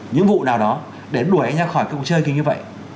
những vụ nào đó để đuổi anh ra khỏi cuộc chơi như vậy